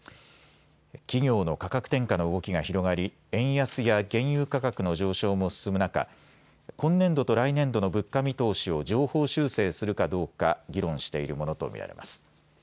企業の価格転嫁の動きが広がり円安や原油価格の上昇も進む中、今年度と来年度の物価見通しを上方修正するかどうか議論しているものと見られます。